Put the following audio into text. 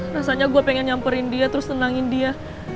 rasanya gua pengen nyamperin dia terus senangin dia